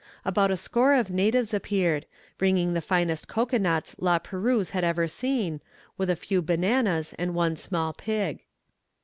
About a score of natives appeared, bringing the finest cocoa nuts La Perouse had ever seen, with a few bananas and one small pig.